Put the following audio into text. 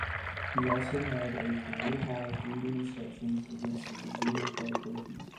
He also had a career-high three interceptions against the Virginia Tech Hokies.